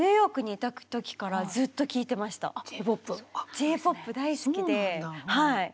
Ｊ−ＰＯＰ大好きではい。